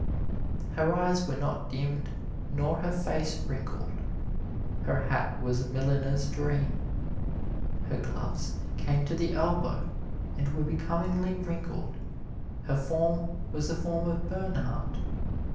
Her eyes were not dimmed nor her face wrinkled. Her hat was a milliner's dream; her gloves came to the elbow and were becomingly wrinkled; her form was the form of Bernhardt.